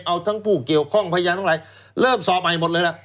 เอาทั้งผู้เกี่ยวข้องพยานทั้งหลายเริ่มสอบใหม่หมดเลยล่ะ